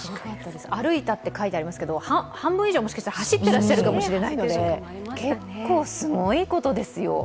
歩いたと書いてありますけど、半分以上走っていらっしゃるかもしれないので、結構すごいことですよ。